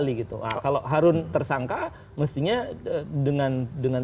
eh pak mas hidon